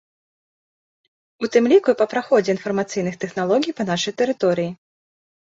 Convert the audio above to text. У тым ліку і па праходзе інфармацыйных тэхналогій па нашай тэрыторыі.